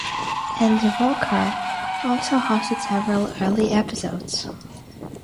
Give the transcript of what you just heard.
Andy Walker also hosted several early episodes.